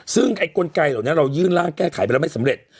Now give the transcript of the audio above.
ซึ่งไอ้กลไกเหล่านี้เรายื่นร่างแก้ไขไปแล้วไม่สำเร็จ